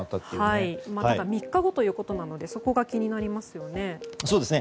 ただ、３日後ということなのでそこが気になりますね。